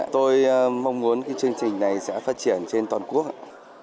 tôi mong muốn cái chương trình này sẽ phát triển trên toàn quốc